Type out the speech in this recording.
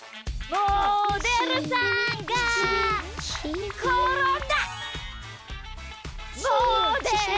モデルさんがころんだ！